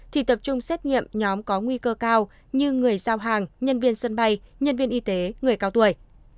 thì tập trung xét nghiệm nhóm có nguy cơ cao như người giao hàng nhân viên sân bay nhân viên y tế người cao tuổi